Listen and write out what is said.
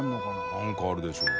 何かあるでしょう。